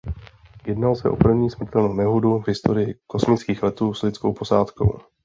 Jednalo se o první smrtelnou nehodu v historii kosmických letů s lidskou posádkou.